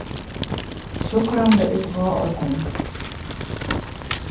شكراً لإصغائكم.